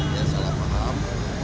dia salah paham